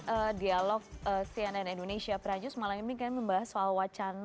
udah banyak jadi korban